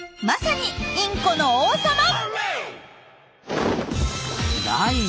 まさにインコの王様！